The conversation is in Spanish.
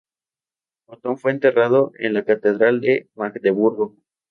Otón fue enterrado en la catedral de Magdeburgo.